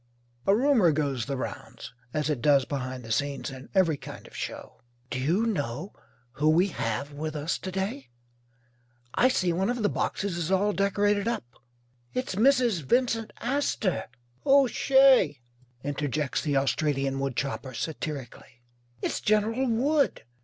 A rumour goes the rounds as it does behind the scenes in every kind of show. "Do you know who we have with us to day? I see one of the boxes is all decorated up." "It's Mrs. Vincent Astor." "Who's she?" interjects the Australian woodchopper, satirically. "It's General Wood."